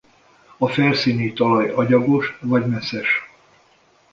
A felszíni talaj agyagos vagy meszes.